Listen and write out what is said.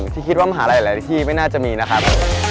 ที่คิดว่ามหาลัยหลายที่ไม่น่าจะมีนะครับ